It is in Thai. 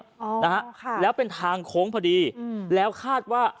อ๋อนะฮะค่ะแล้วเป็นทางโค้งพอดีอืมแล้วคาดว่า